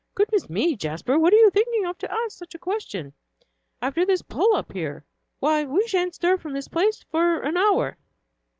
"Goodness me, Jasper, what are you thinking of to ask such a question, after this pull up here? Why, we sha'n't stir from this place for an hour."